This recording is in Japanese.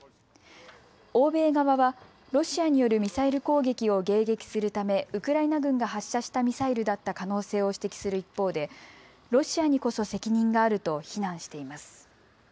欧米側はロシアによるミサイル攻撃を迎撃するためウクライナ軍が発射したミサイルだった可能性を指摘する一方でロシアにこそ責任があると非難しています。